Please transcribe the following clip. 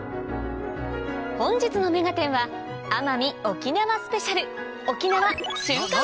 本日の『目がテン！』は奄美・沖縄スペシャル沖縄瞬間